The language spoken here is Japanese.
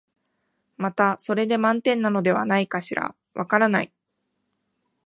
またそれで満点なのではないかしら、わからない、